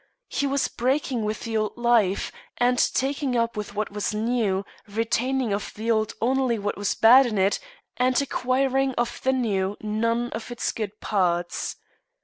He was breaking with the old life, and taking up with what was new, retaining of the old only what was bad in it, and acquiring of the new none of its good parts.